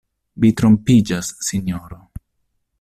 Vi trompiĝas, sinjoro.